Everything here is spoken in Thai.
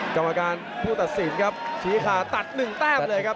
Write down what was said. กรรมการผู้ตัดสินครับชี้ขาด๑แต้มเลยครับ